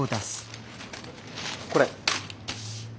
これ。